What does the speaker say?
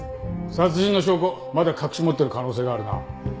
殺人の証拠まだ隠し持ってる可能性があるな。